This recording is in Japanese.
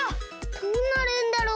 どうなるんだろう？